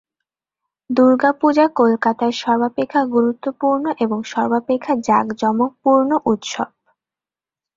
দুর্গাপূজা কলকাতার সর্বাপেক্ষা গুরুত্বপূর্ণ এবং সর্বাপেক্ষা জাঁকজমকপূর্ণ উৎসব।